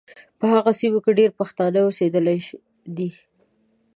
په هغو سیمو کې ډېر پښتانه اوسېدلي دي.